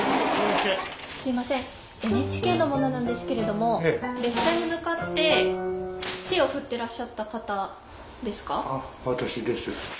すいませんＮＨＫの者なんですけれども列車に向かって手を振ってらっしゃった方ですか？